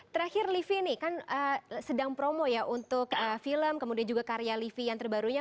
terakhir livi ini kan sedang promo ya untuk film kemudian juga karya livi yang terbarunya